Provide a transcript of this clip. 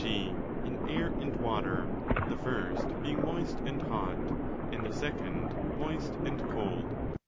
g. in Air and Water, the first being moist and ao hot, and the second moist and cold.